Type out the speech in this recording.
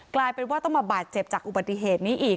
กลายเป็นว่าต้องมาบาดเจ็บจากอุบัติเหตุนี้อีก